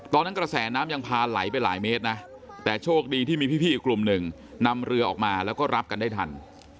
กระแสน้ำยังพาไหลไปหลายเมตรนะแต่โชคดีที่มีพี่อีกกลุ่มหนึ่งนำเรือออกมาแล้วก็รับกันได้ทัน